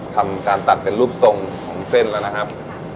ทำการตัดเป็นรูปทรงของเส้นแล้วนะครับ